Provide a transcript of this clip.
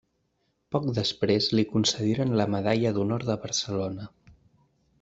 Poc després li concediren la Medalla d'Honor de Barcelona.